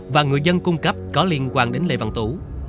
và người dân cung cấp có liên quan đến lê văn tú